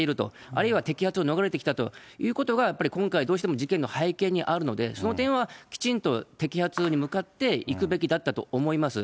あるいは摘発を逃れてきたということが、やっぱり今回、どうしても事件の背景にあるので、その点はきちんと摘発に向かっていくべきだったと思います。